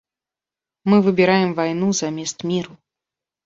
Мы выбіраем вайну замест міру.